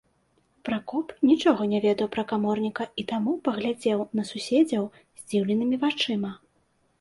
Пракоп нічога не ведаў пра каморніка і таму паглядзеў на суседзяў здзіўленымі вачыма.